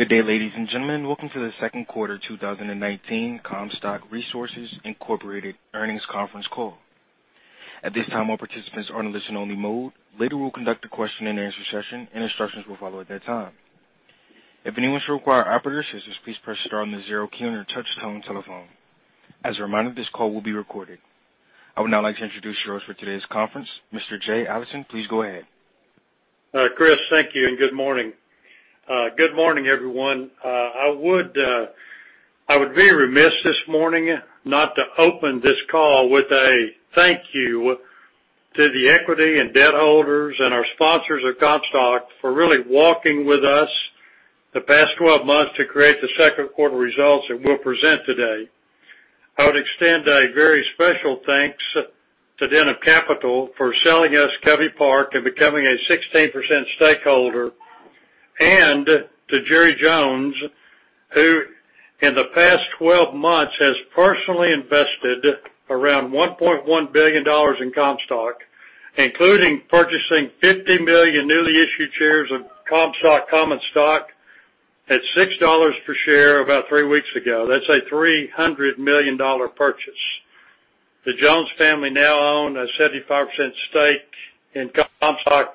Good day, ladies and gentlemen. Welcome to the second quarter 2019 Comstock Resources Incorporated earnings conference call. At this time, all participants are in listen-only mode. Later, we'll conduct a question-and-answer session, and instructions will follow at that time. If anyone should require operator assistance, please press star on the zero key on your touch-tone telephone. As a reminder, this call will be recorded. I would now like to introduce you to our host for today's conference, Mr. Jay Allison. Please go ahead. Chris, thank you, and good morning. Good morning, everyone. I would be remiss this morning not to open this call with a thank you to the equity and debt holders and our sponsors at Comstock for really walking with us the past 12 months to create the second quarter results that we'll present today. I would extend a very special thanks to Denham Capital for selling us Covey Park and becoming a 16% stakeholder, and to Jerry Jones, who in the past 12 months has personally invested around $1.1 billion in Comstock, including purchasing 50 million newly issued shares of Comstock common stock at $6 per share about three weeks ago. That's a $300 million purchase. The Jones family now own a 75% stake in Comstock,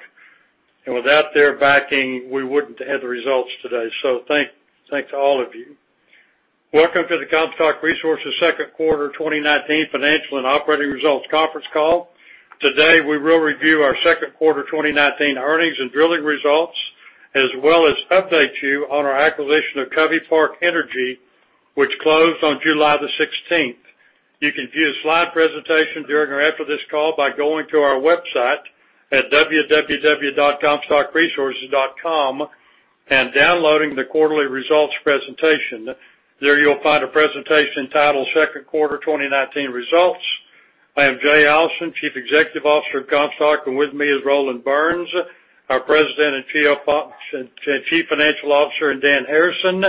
and without their backing, we wouldn't have had the results today. Thanks to all of you. Welcome to the Comstock Resources second quarter 2019 financial and operating results conference call. Today, we will review our second quarter 2019 earnings and drilling results, as well as update you on our acquisition of Covey Park Energy, which closed on July 16th. You can view the slide presentation during or after this call by going to our website at www.comstockresources.com and downloading the quarterly results presentation. There you'll find a presentation titled "Second Quarter 2019 Results." I am Jay Allison, Chief Executive Officer of Comstock, and with me is Roland Burns, our President and Chief Financial Officer, and Dan Harrison,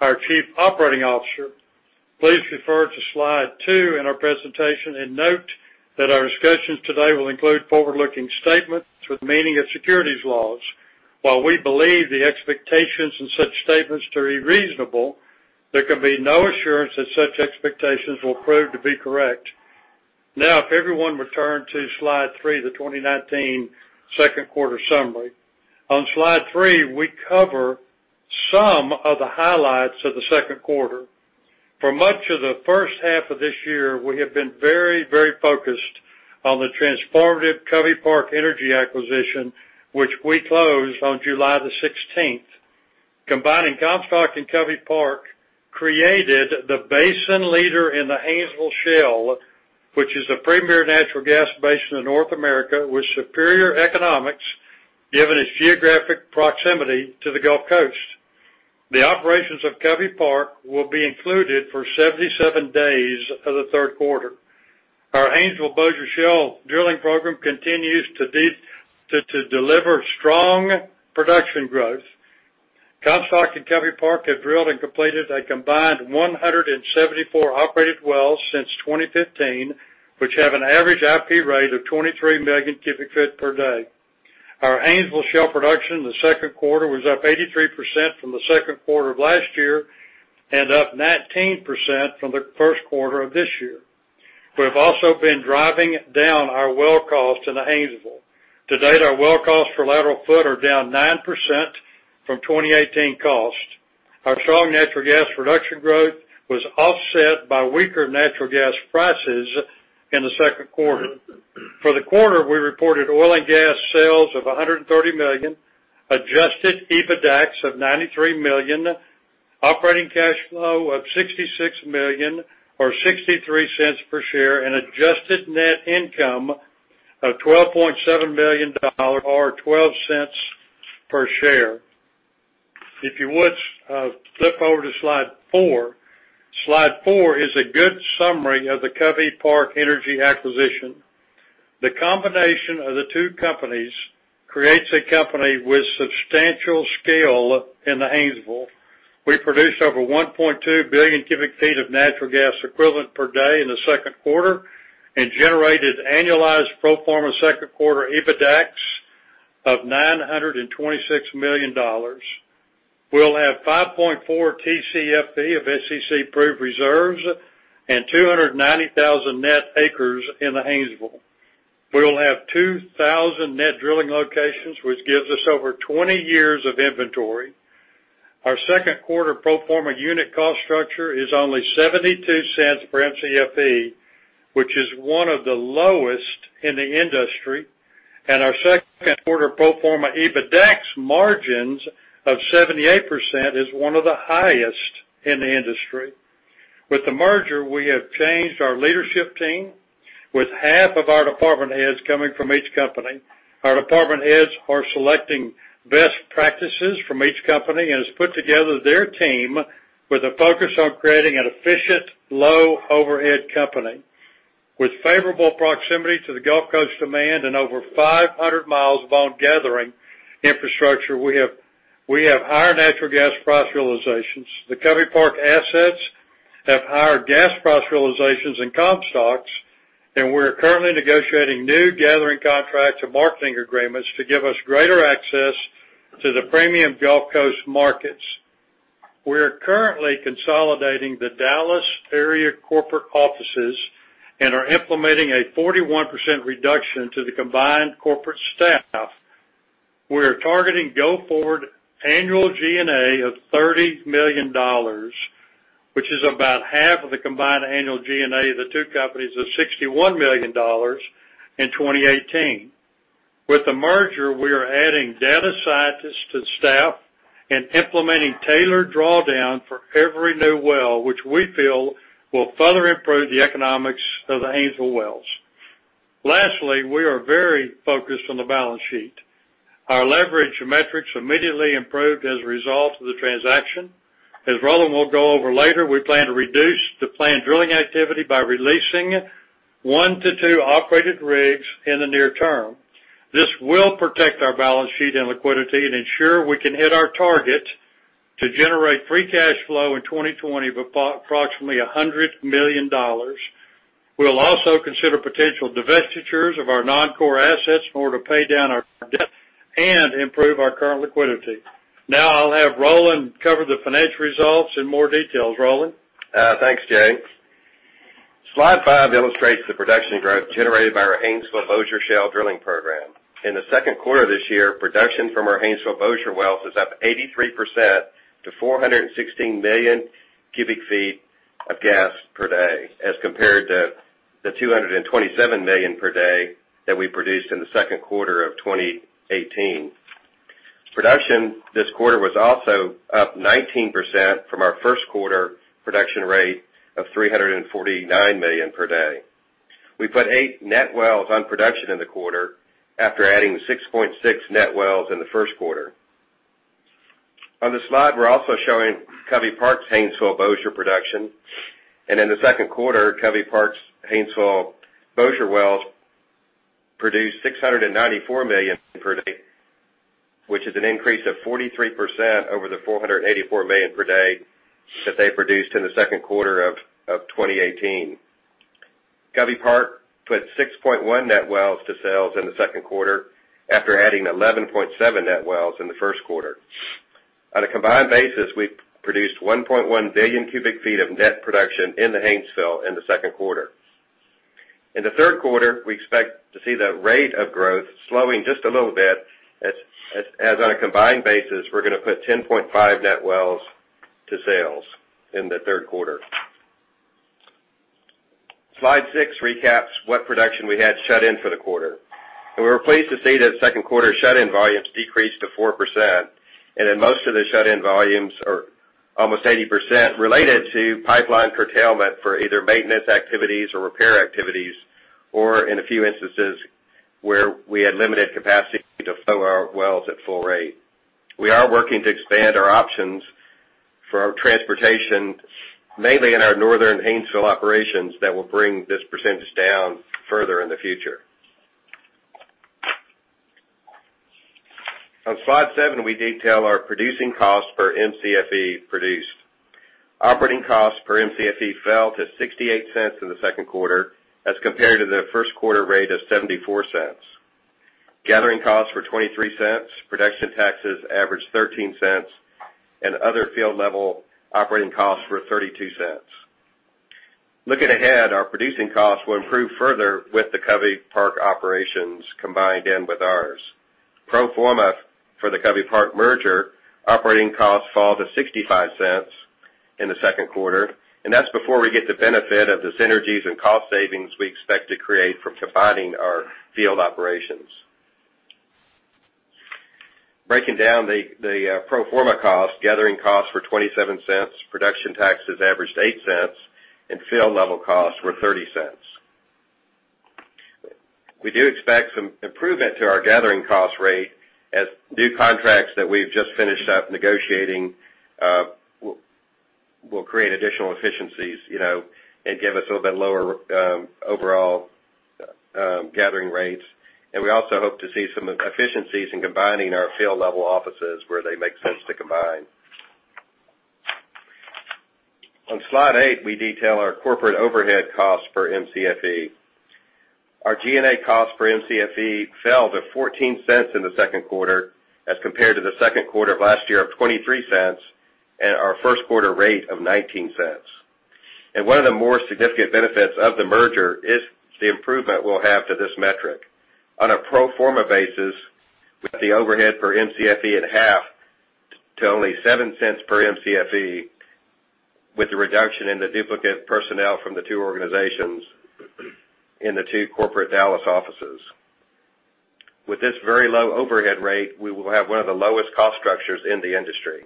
our Chief Operating Officer. Please refer to slide two in our presentation and note that our discussions today will include forward-looking statements with meaning of securities laws. While we believe the expectations in such statements to be reasonable, there can be no assurance that such expectations will prove to be correct. Now if everyone return to slide three, the 2019 second quarter summary. On slide three, we cover some of the highlights of the second quarter. For much of the first half of this year, we have been very, very focused on the transformative Covey Park Energy acquisition, which we closed on July 16th. Combining Comstock and Covey Park created the basin leader in the Haynesville Shale, which is a premier natural gas basin in North America with superior economics given its geographic proximity to the Gulf Coast. The operations of Covey Park will be included for 77 days of the third quarter. Our Haynesville Bossier Shale drilling program continues to deliver strong production growth. Comstock and Covey Park have drilled and completed a combined 174 operated wells since 2015, which have an average IP rate of 23 million cubic feet per day. Our Haynesville Shale production in the second quarter was up 83% from the second quarter of last year and up 19% from the first quarter of this year. We've also been driving down our well cost in the Haynesville. To date, our well costs for lateral foot are down 9% from 2018 costs. Our strong natural gas production growth was offset by weaker natural gas prices in the second quarter. For the quarter, we reported oil and gas sales of $130 million, adjusted EBITDAX of $93 million, operating cash flow of $66 million or $0.63 per share, and adjusted net income of $12.7 million or $0.12 per share. If you would flip over to slide four. Slide four is a good summary of the Covey Park Energy acquisition. The combination of the two companies creates a company with substantial scale in the Haynesville. We produced over 1.2 billion cubic feet of natural gas equivalent per day in the second quarter and generated annualized pro forma second quarter EBITDAX of $926 million. We'll have 5.4 TCFE of SEC-approved reserves and 290,000 net acres in the Haynesville. We'll have 2,000 net drilling locations, which gives us over 20 years of inventory. Our second quarter pro forma unit cost structure is only $0.72 per MCFE, which is one of the lowest in the industry, and our second quarter pro forma EBITDAX margins of 78% is one of the highest in the industry. With the merger, we have changed our leadership team, with half of our department heads coming from each company. Our department heads are selecting best practices from each company and has put together their team with a focus on creating an efficient, low-overhead company. With favorable proximity to the Gulf Coast demand and over 500 mi of our own gathering infrastructure, we have higher natural gas price realizations. The Covey Park assets have higher gas price realizations than Comstock's. We're currently negotiating new gathering contracts and marketing agreements to give us greater access to the premium Gulf Coast markets. We are currently consolidating the Dallas area corporate offices and are implementing a 41% reduction to the combined corporate staff. We are targeting go forward annual G&A of $30 million, which is about half of the combined annual G&A of the two companies of $61 million in 2018. With the merger, we are adding data scientists to the staff and implementing tailored drawdown for every new well, which we feel will further improve the economics of the Haynesville wells. Lastly, we are very focused on the balance sheet. Our leverage metrics immediately improved as a result of the transaction. As Roland will go over later, we plan to reduce the planned drilling activity by releasing one to two operated rigs in the near term. This will protect our balance sheet and liquidity and ensure we can hit our target to generate free cash flow in 2020 of approximately $100 million. We'll also consider potential divestitures of our non-core assets in order to pay down our debt and improve our current liquidity. Now I'll have Roland cover the financial results in more details. Roland? Thanks, Jay. Slide five illustrates the production growth generated by our Haynesville Bossier Shale drilling program. In the second quarter of this year, production from our Haynesville Bossier wells is up 83% to 416 million cubic feet of gas per day as compared to the 227 million per day that we produced in the second quarter of 2018. Production this quarter was also up 19% from our first quarter production rate of 349 million per day. We put eight net wells on production in the quarter after adding 6.6 net wells in the first quarter. On the slide, we're also showing Covey Park's Haynesville Bossier production, in the second quarter, Covey Park's Haynesville Bossier wells produced 694 million per day, which is an increase of 43% over the 484 million per day that they produced in the second quarter of 2018. Covey Park put 6.1 net wells to sales in the second quarter after adding 11.7 net wells in the first quarter. On a combined basis, we produced 1.1 billion cubic feet of net production in the Haynesville in the second quarter. In the third quarter, we expect to see the rate of growth slowing just a little bit as on a combined basis, we're going to put 10.5 net wells to sales in the third quarter. Slide six recaps what production we had shut in for the quarter. We were pleased to see that second quarter shut-in volumes decreased to 4%, and in most of the shut-in volumes are almost 80% related to pipeline curtailment for either maintenance activities or repair activities, or in a few instances, where we had limited capacity to flow our wells at full rate. We are working to expand our options for our transportation, mainly in our Northern Haynesville operations, that will bring this percentage down further in the future. On slide seven, we detail our producing costs per MCFE produced. Operating costs per MCFE fell to $0.68 in the second quarter as compared to the first quarter rate of $0.74. Gathering costs were $0.23, production taxes averaged $0.13, and other field-level operating costs were $0.32. Looking ahead, our producing costs will improve further with the Covey Park operations combined in with ours. Pro forma for the Covey Park merger, operating costs fall to $0.65 in the second quarter, and that's before we get the benefit of the synergies and cost savings we expect to create from combining our field operations. Breaking down the pro forma cost, gathering costs were $0.27, production taxes averaged $0.08, and field level costs were $0.30. We do expect some improvement to our gathering cost rate as new contracts that we've just finished up negotiating will create additional efficiencies, and give us a little bit lower overall gathering rates. We also hope to see some efficiencies in combining our field level offices where they make sense to combine. On slide eight, we detail our corporate overhead costs per MCFE. Our G&A cost per MCFE fell to $0.14 in the second quarter as compared to the second quarter of last year of $0.23 and our first quarter rate of $0.19. One of the more significant benefits of the merger is the improvement we'll have to this metric. On a pro forma basis, with the overhead per MCFE in half to only $0.07 per MCFE with the reduction in the duplicate personnel from the two organizations in the two corporate Dallas offices. With this very low overhead rate, we will have one of the lowest cost structures in the industry.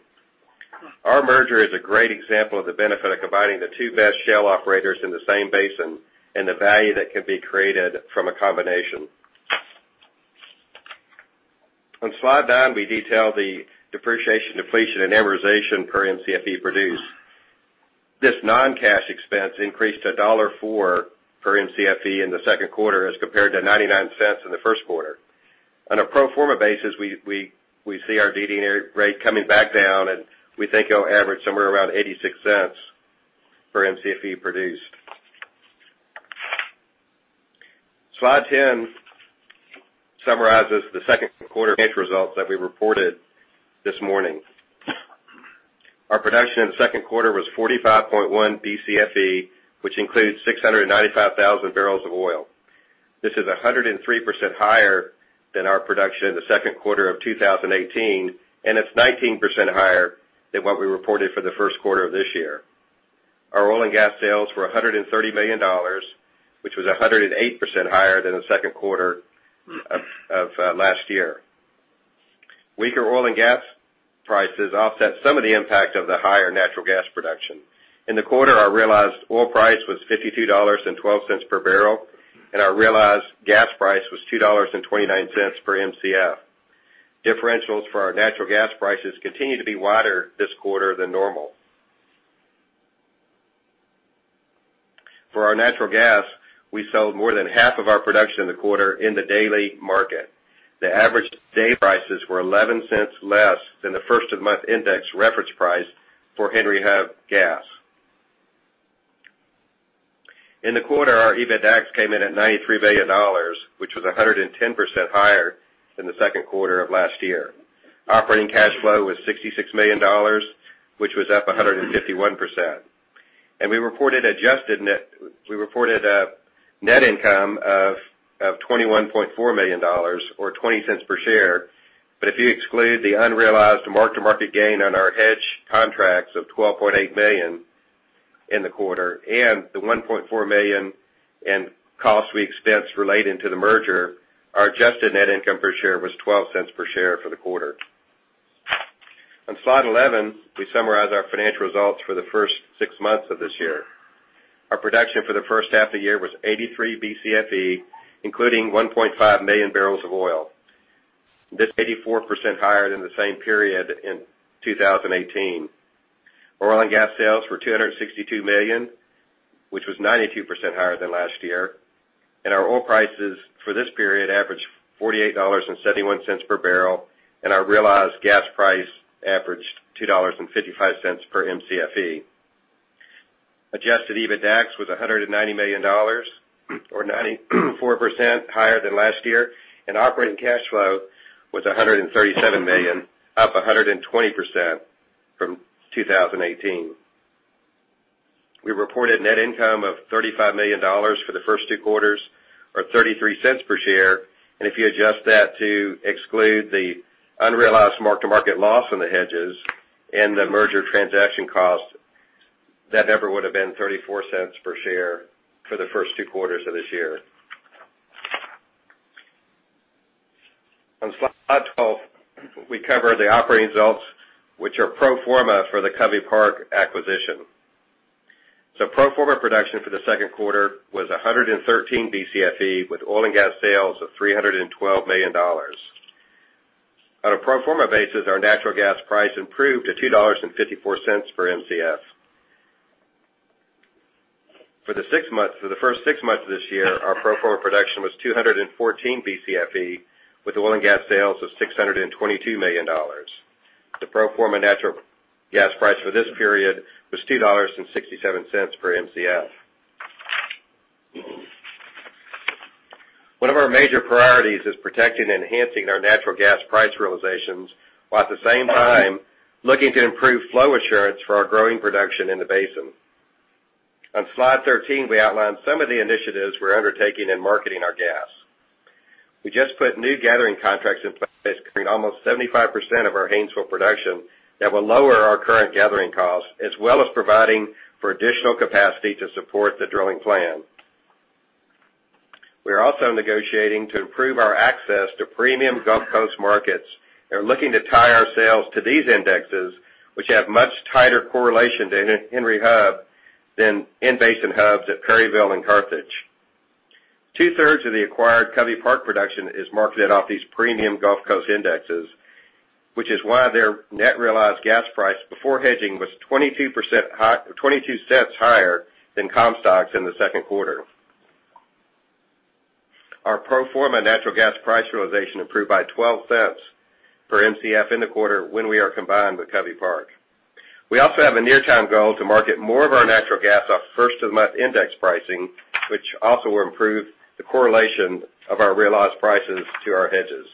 Our merger is a great example of the benefit of combining the two best shale operators in the same basin and the value that can be created from a combination. On slide nine, we detail the depreciation, depletion, and amortization per MCFE produced. This non-cash expense increased to $1.04 per MCFE in the second quarter as compared to $0.99 in the first quarter. On a pro forma basis, we see our DD&A rate coming back down, and we think it'll average somewhere around $0.86 for MCFE produced. Slide 10 summarizes the second quarter financial results that we reported this morning. Our production in the second quarter was 45.1 BCFE, which includes 695,000 barrels of oil. This is 103% higher than our production in the second quarter of 2018, and it's 19% higher than what we reported for the first quarter of this year. Our oil and gas sales were $130 million, which was 108% higher than the second quarter of last year. Weaker oil and gas prices offset some of the impact of the higher natural gas production. In the quarter, our realized oil price was $52.12 per barrel, and our realized gas price was $2.29 per Mcf. Differentials for our natural gas prices continued to be wider this quarter than normal. For our natural gas, we sold more than half of our production in the quarter in the daily market. The average day prices were $0.11 less than the first-of-the-month index reference price for Henry Hub gas. In the quarter, our EBITDAX came in at $93 million, which was 110% higher than the second quarter of last year. Operating cash flow was $66 million, which was up 151%. We reported net income of $21.4 million, or $0.20 per share. If you exclude the unrealized mark-to-market gain on our hedge contracts of $12.8 million in the quarter and the $1.4 million in costs we expensed relating to the merger, our adjusted net income per share was $0.12 per share for the quarter. On slide 11, we summarize our financial results for the first six months of this year. Our production for the first half of the year was 83 BCFE, including 1.5 million barrels of oil. That's 84% higher than the same period in 2018. Oil and gas sales were $262 million, which was 92% higher than last year. Our oil prices for this period averaged $48.71 per barrel, and our realized gas price averaged $2.55 per MCFE. Adjusted EBITDAX was $190 million, or 94% higher than last year, and operating cash flow was $137 million, up 120% from 2018. We reported net income of $35 million for the first two quarters, or $0.33 per share. If you adjust that to exclude the unrealized mark-to-market loss on the hedges and the merger transaction cost, that number would've been $0.34 per share for the first two quarters of this year. On Slide 12, we cover the operating results, which are pro forma for the Covey Park acquisition. Pro forma production for the second quarter was 113 BCFE, with oil and gas sales of $312 million. On a pro forma basis, our natural gas price improved to $2.54 per Mcf. For the first six months of this year, our pro forma production was 214 BCFE, with oil and gas sales of $622 million. The pro forma natural gas price for this period was $2.67 per Mcf. One of our major priorities is protecting and enhancing our natural gas price realizations, while at the same time looking to improve flow assurance for our growing production in the basin. On Slide 13, we outline some of the initiatives we're undertaking in marketing our gas. We just put new gathering contracts in place, covering almost 75% of our Haynesville production that will lower our current gathering costs, as well as providing for additional capacity to support the drilling plan. We are also negotiating to improve our access to premium Gulf Coast markets and are looking to tie our sales to these indexes, which have much tighter correlation to Henry Hub than in-basin hubs at Perryville and Carthage. Two-thirds of the acquired Covey Park production is marketed off these premium Gulf Coast indexes, which is why their net realized gas price before hedging was $0.22 higher than Comstock's in the second quarter. Our pro forma natural gas price realization improved by $0.12 per Mcf in the quarter when we are combined with Covey Park. We also have a near-term goal to market more of our natural gas off first-of-the-month index pricing, which also will improve the correlation of our realized prices to our hedges.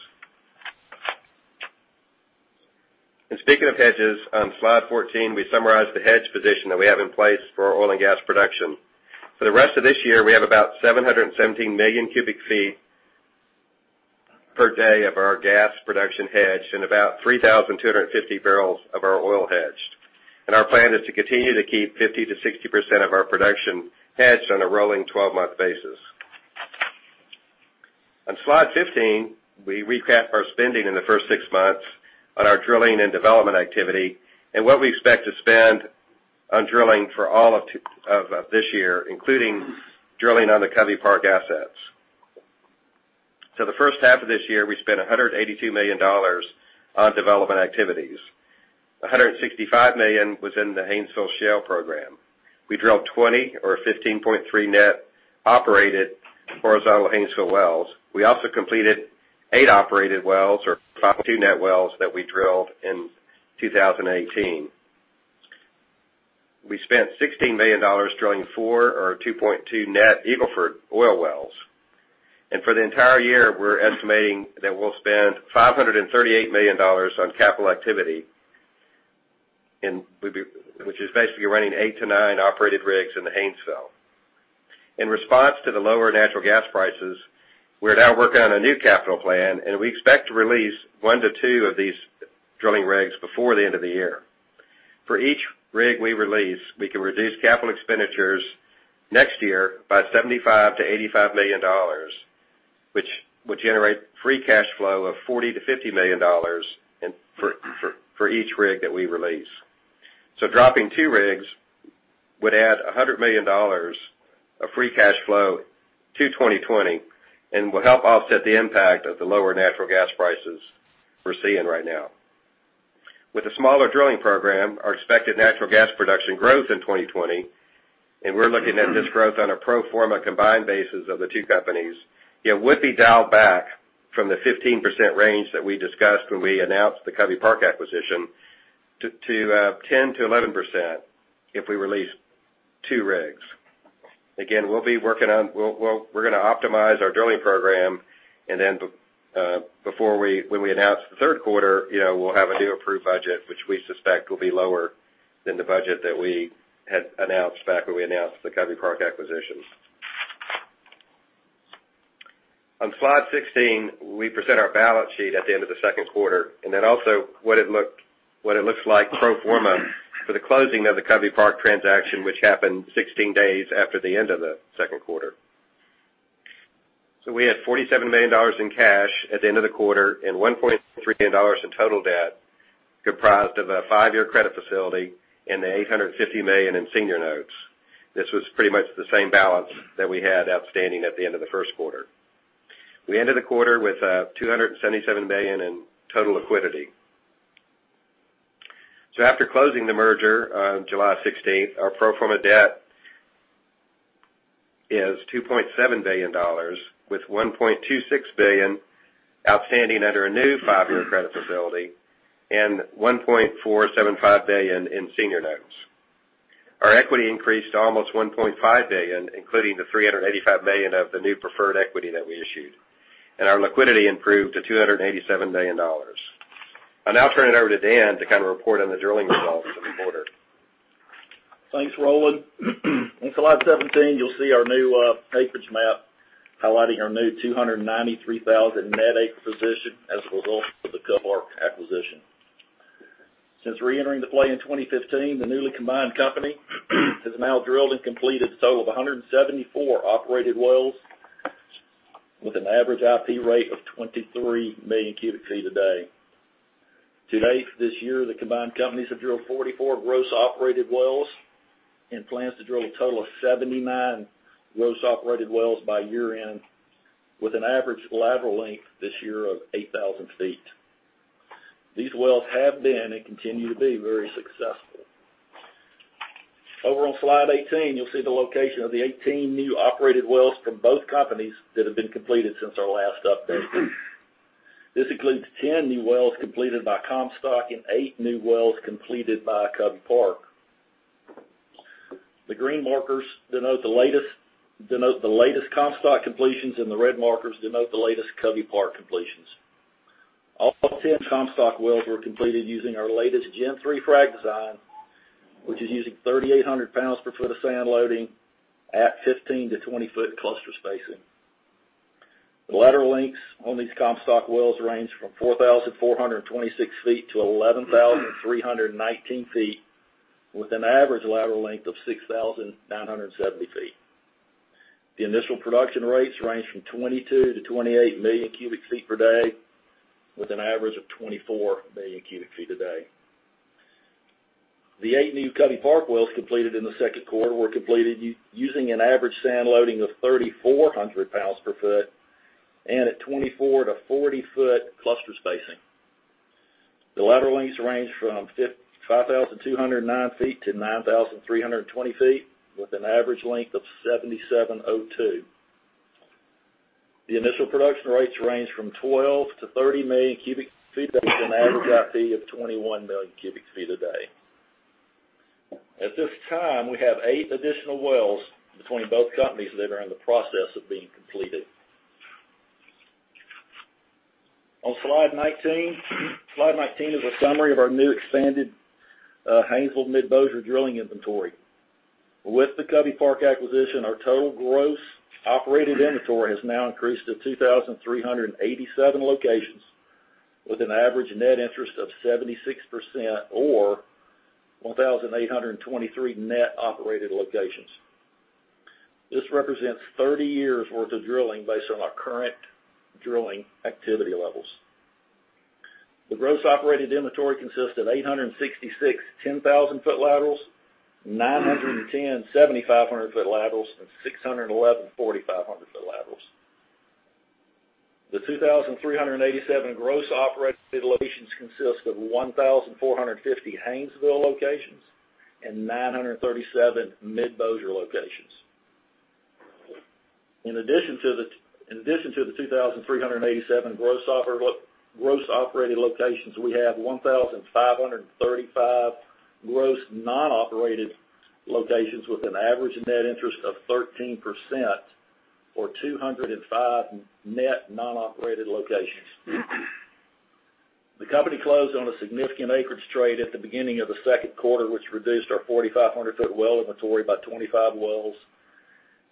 Speaking of hedges, on slide 14, we summarize the hedge position that we have in place for our oil and gas production. For the rest of this year, we have about 717 million cubic feet per day of our gas production hedged and about 3,250 barrels of our oil hedged. Our plan is to continue to keep 50%-60% of our production hedged on a rolling 12-month basis. On slide 15, we recap our spending in the first six months on our drilling and development activity and what we expect to spend on drilling for all of this year, including drilling on the Covey Park assets. The first half of this year, we spent $182 million on development activities. $165 million was in the Haynesville Shale program. We drilled 20 or 15.3 net operated horizontal Haynesville wells. We also completed eight operated wells or [property] net wells that we drilled in 2018. We spent $16 million drilling four or 2.2 net Eagle Ford oil wells. For the entire year, we're estimating that we'll spend $538 million on capital activity, which is basically running eight to nine operated rigs in the Haynesville. In response to the lower natural gas prices, we're now working on a new capital plan, and we expect to release one to two of these drilling rigs before the end of the year. For each rig we release, we can reduce capital expenditures next year by $75 million-$85 million, which would generate free cash flow of $40 million-$50 million for each rig that we release. Dropping two rigs would add $100 million of free cash flow to 2020 and will help offset the impact of the lower natural gas prices we're seeing right now. With a smaller drilling program, our expected natural gas production growth in 2020, we're looking at this growth on a pro forma combined basis of the two companies, it would be dialed back from the 15% range that we discussed when we announced the Covey Park acquisition, to 10%-11% if we release two rigs. Again, we're going to optimize our drilling program, and then when we announce the third quarter, we'll have a new approved budget, which we suspect will be lower than the budget that we had announced back when we announced the Covey Park acquisition. On slide 16, we present our balance sheet at the end of the second quarter, and then also what it looks like pro forma for the closing of the Covey Park transaction, which happened 16 days after the end of the second quarter. We had $47 million in cash at the end of the quarter and $1.3 billion in total debt, comprised of a five-year credit facility and the $850 million in senior notes. This was pretty much the same balance that we had outstanding at the end of the first quarter. We ended the quarter with $277 million in total liquidity. After closing the merger on July 16th, our pro forma debt is $2.7 billion, with $1.26 billion outstanding under a new five-year credit facility and $1.475 billion in senior notes. Our equity increased to almost $1.5 billion, including the $385 million of the new preferred equity that we issued. Our liquidity improved to $287 million. I'll now turn it over to Dan to report on the drilling results for the quarter. Thanks, Roland. On slide 17, you'll see our new acreage map highlighting our new 293,000 net acre position as a result of the Covey Park acquisition. Since re-entering the play in 2015, the newly combined company has now drilled and completed a total of 174 operated wells with an average IP rate of 23 million cubic feet a day. To date, this year, the combined companies have drilled 44 gross operated wells and plans to drill a total of 79 gross operated wells by year-end, with an average lateral length this year of 8,000 ft. These wells have been, and continue to be very successful. Over on slide 18, you'll see the location of the 18 new operated wells from both companies that have been completed since our last update. This includes 10 new wells completed by Comstock and eight new wells completed by Covey Park. The green markers denote the latest Comstock completions, and the red markers denote the latest Covey Park completions. All 10 Comstock wells were completed using our latest Gen 3 frac design, which is using 3,800 lbs per foot of sand loading at 15 ft-20 ft cluster spacing. The lateral lengths on these Comstock wells range from 4,426 ft-11,319 ft, with an average lateral length of 6,970 ft. The initial production rates range from 22 million cubic feet-28 million cubic feet per day, with an average of 24 million cubic feet a day. The eight new Covey Park wells completed in the second quarter were completed using an average sand loading of 3,400 lbs per foot and at 24 ft-40 ft cluster spacing. The lateral lengths range from 5,209 ft-9,320 ft, with an average length of 7,702 ft. The initial production rates range from 12 million cubic feet-30 million cubic feet a day with an average IP of 21 million cubic feet a day. At this time, we have eight additional wells between both companies that are in the process of being completed. On slide 19. Slide 19 is a summary of our new expanded Haynesville Mid-Bossier drilling inventory. With the Covey Park acquisition, our total gross operated inventory has now increased to 2,387 locations with an average net interest of 76% or 1,823 net operated locations. This represents 30 years' worth of drilling based on our current drilling activity levels. The gross operated inventory consists of 866 10,000 ft laterals, 910 7,500 ft laterals, and 611 4,500 ft laterals. The 2,387 gross operated locations consist of 1,450 Haynesville locations and 937 Mid-Bossier locations. In addition to the 2,387 gross operated locations, we have 1,535 gross non-operated locations with an average net interest of 13%, or 205 net non-operated locations. The company closed on a significant acreage trade at the beginning of the second quarter, which reduced our 4,500 ft well inventory by 25 wells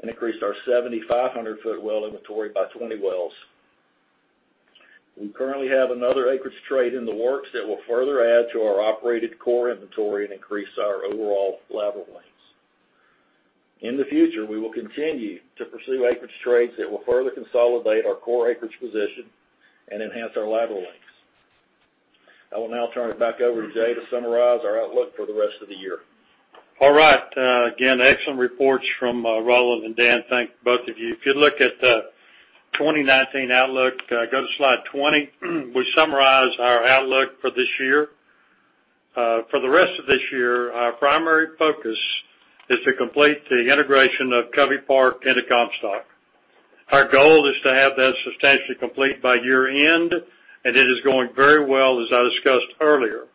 and increased our 7,500 ft well inventory by 20 wells. We currently have another acreage trade in the works that will further add to our operated core inventory and increase our overall lateral lengths. In the future, we will continue to pursue acreage trades that will further consolidate our core acreage position and enhance our lateral lengths. I will now turn it back over to Jay to summarize our outlook for the rest of the year. All right. Again, excellent reports from Roland and Dan. Thank you to both of you. If you look at the 2019 outlook, go to slide 20. We summarized our outlook for this year. For the rest of this year, our primary focus is to complete the integration of Covey Park into Comstock. Our goal is to have that substantially complete by year-end, and it is going very well, as I discussed earlier.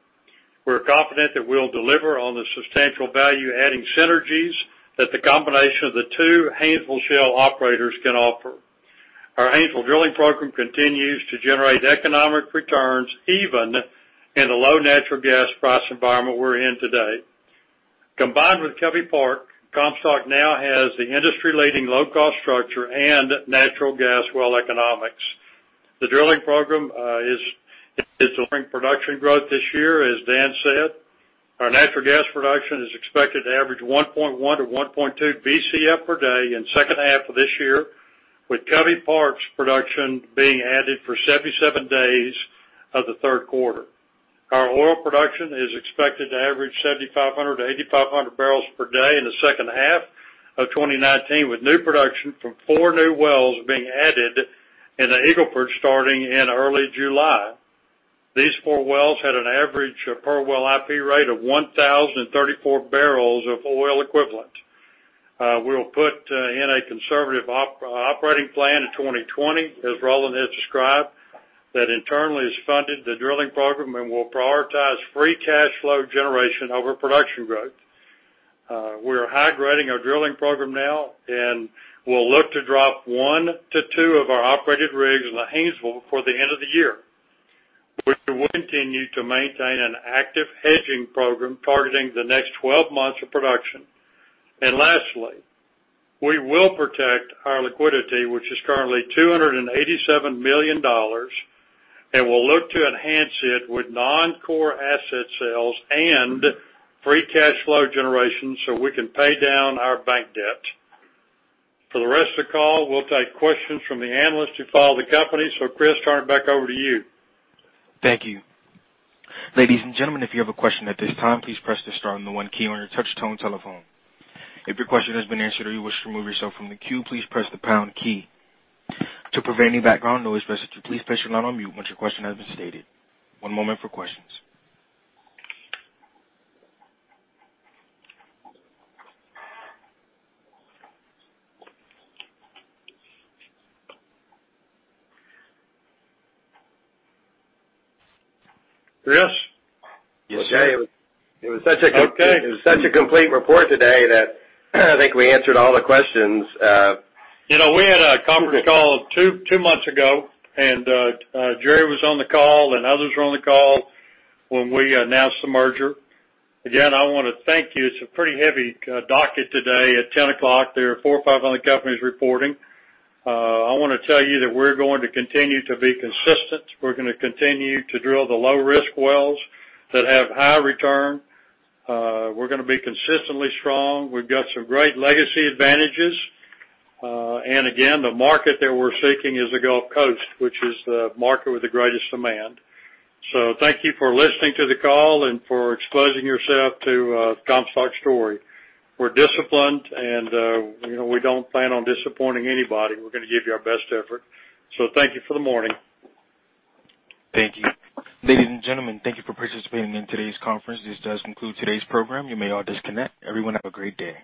We're confident that we'll deliver on the substantial value-adding synergies that the combination of the two Haynesville Shale operators can offer. Our Haynesville drilling program continues to generate economic returns even in the low natural gas price environment we're in today. Combined with Covey Park, Comstock now has the industry-leading low-cost structure and natural gas well economics. The drilling program is delivering production growth this year. As Dan said, our natural gas production is expected to average 1.1 Bcf-1.2 Bcf per day in the second half of this year, with Covey Park's production being added for 77 days of the third quarter. Our oil production is expected to average 7,500 barrels-8,500 barrels per day in the second half of 2019, with new production from four new wells being added in the Eagle Ford starting in early July. These four wells had an average of per well IP rate of 1,034 barrels of oil equivalent. We'll put in a conservative operating plan in 2020, as Roland has described, that internally has funded the drilling program and will prioritize free cash flow generation over production growth. We are high-grading our drilling program now, and we'll look to drop one to two of our operated rigs in the Haynesville before the end of the year. We will continue to maintain an active hedging program targeting the next 12 months of production. Lastly, we will protect our liquidity, which is currently $287 million, and we'll look to enhance it with non-core asset sales and free cash flow generation so we can pay down our bank debt. For the rest of the call, we'll take questions from the analysts who follow the company. Chris, turn it back over to you. Thank you. Ladies and gentlemen, if you have a question at this time, please press the star and the one key on your touch-tone telephone. If your question has been answered or you wish to remove yourself from the queue, please press the pound key. To prevent any background noise, listeners should please place your line on mute once your question has been stated. One moment for questions. Chris? Yes, sir. Jay, it was such a complete report today that I think we answered all the questions. We had a conference call two months ago, Jerry was on the call, and others were on the call when we announced the merger. Again, I want to thank you. It's a pretty heavy docket today at 10:00 A.M. There are four or five other companies reporting. I want to tell you that we're going to continue to be consistent. We're going to continue to drill the low-risk wells that have high return. We're going to be consistently strong. We've got some great legacy advantages. Again, the market that we're seeking is the Gulf Coast, which is the market with the greatest demand. Thank you for listening to the call and for exposing yourself to Comstock's story. We're disciplined, and we don't plan on disappointing anybody. We're going to give you our best effort. Thank you for the morning. Thank you. Ladies and gentlemen, thank you for participating in today's conference. This does conclude today's program. You may all disconnect. Everyone have a great day.